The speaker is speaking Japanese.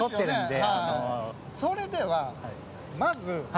それではまず。